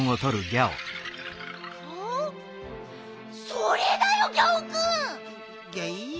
それだよギャオくん！ギャイ？